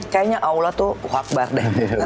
kayaknya allah tuh akbar deh